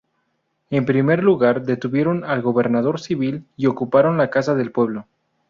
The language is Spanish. En primer lugar detuvieron al gobernador civil y ocuparon la Casa del Pueblo.